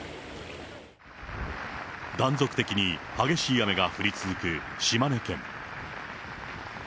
断続的に激しい雨が降り続く島根県。